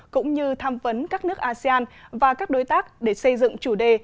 cũng như tham vấn các nước asean và các đối tác để xây dựng chủ đề